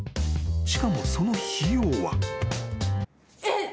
［しかもその費用は］えっ！？